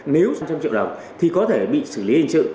nếu trong trường hợp thì có thể bị xử lý hình sự